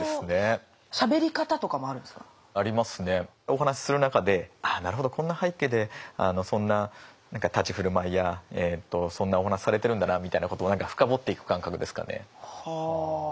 お話しする中であなるほどこんな背景でそんな立ち振る舞いやそんなお話されてるんだなみたいなことを深掘っていく感覚ですかね。